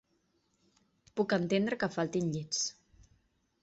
Puc entendre que faltin llits.